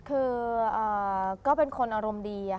คือก็เป็นคนอารมณ์ดี